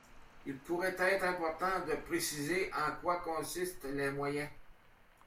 » Il pourrait être important de préciser en quoi consistent les moyens.